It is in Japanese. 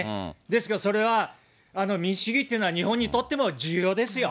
ですけど、それは、民主主義というのは日本にとっても重要ですよ。